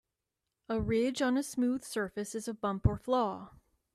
A ridge on a smooth surface is a bump or flaw.